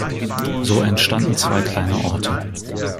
So entstanden zwei kleine Orte.